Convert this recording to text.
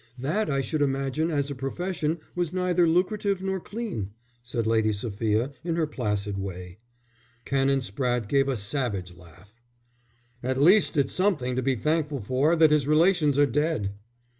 "That, I should imagine, as a profession, was neither lucrative nor clean," said Lady Sophia, in her placid way. Canon Spratte gave a savage laugh. "At least it's something to be thankful for that his relations are dead."